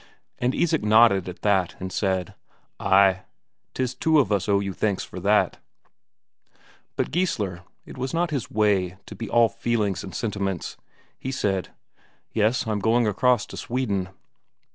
And Isak nodded at that, and said: "Ay, 'tis two of us owe you thanks for that." But Geissler it was not his way to be all feelings and sentiments; he said: "Yes, I'm just going across to Sweden."